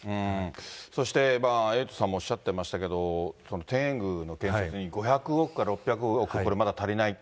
そして、エイトさんもおっしゃってましたけども、天苑宮の建設に５００億か６００億、これでもまだ足りない。